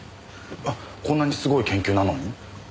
えっこんなにすごい研究なのに？